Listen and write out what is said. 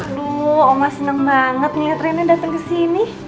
aduh oma seneng banget liat reina dateng kesini